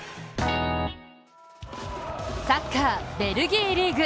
サッカー、ベルギーリーグ。